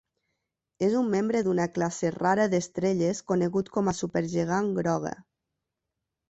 És un membre d'una classe rara d'estrelles conegut com a supergegant groga.